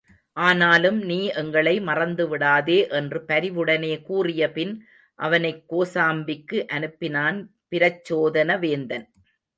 ஆனாலும் நீ எங்களை மறந்துவிடாதே என்று பரிவுடனே கூறியபின் அவனைக் கோசாம்பிக்கு அனுப்பினான் பிரச்சோதன வேந்தன்.